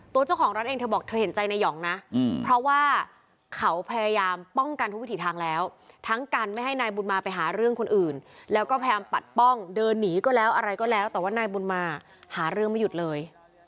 ตัวเจ้าของร้านเองเธอบอกเธอเห็นใจนายหองนะเพราะว่าเขาพยายามป้องกันทุกวิถีทางแล้วทั้งกันไม่ให้นายบุญมาไปหาเรื่องคนอื่นแล้วก็พยายามปัดป้องเดินหนีก็แล้วอะไรก็แล้วแต่ว่านายบุญมาหาเรื่องไม่หยุดเลย